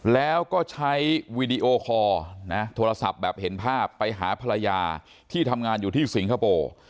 แล้วก็ใช้วีดีโอคอร์โทรศัพท์แบบเห็นภาพไปหาภรรยาที่ทำงานอยู่ที่สิงคโปร์